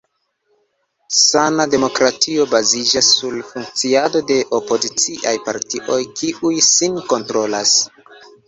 Sana demokratio baziĝas sur funkciado de opoziciaj partioj, kiuj sin kontrolas.